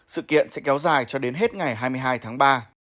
sự kiện sẽ kéo dài cho đến hết ngày hai mươi hai tháng ba